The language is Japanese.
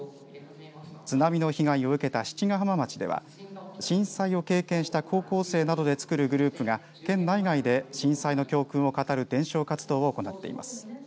津波の被害を受けた七ヶ浜町では震災を経験した高校生などでつくるグループが県内外で震災の教訓を語る伝承活動を行っています。